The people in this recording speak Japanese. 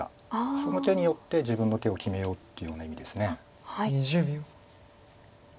その手によって自分の手を決めようというような意味です。